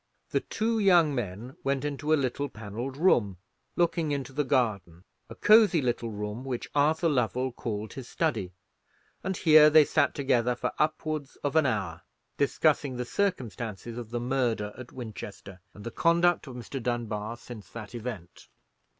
The two young men went into a little panelled room, looting into the garden, a cosy little room which Arthur Lovell called his study; and here they sat together for upwards of an hour, discussing the circumstances of the murder at Winchester, and the conduct of Mr. Dunbar since that event.